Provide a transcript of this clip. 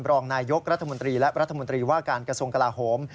รองนายยกรัฐมนตรีและรัฐมนตรีว่าการกระทรวงกลาโหม